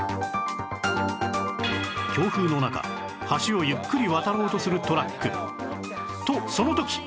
強風の中橋をゆっくり渡ろうとするトラックとその時！